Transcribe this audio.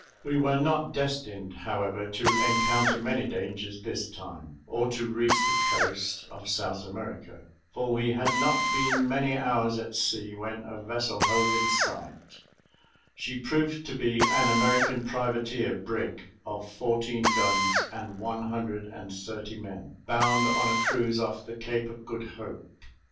We were not destined, however, to encounter many dangers this time, or to reach the coast of South America: for we had not been many hours at sea, when a vessel hove in sight; she proved to be an American privateer brig, of fourteen guns and one hundred and thirty men, bound on a cruise off the Cape of Good Hope.